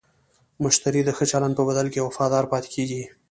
مشتری د ښه چلند په بدل کې وفادار پاتې کېږي.